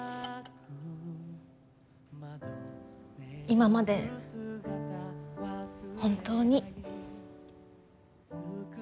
今まで本当に。